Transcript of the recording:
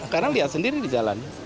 karena lihat sendiri di jalan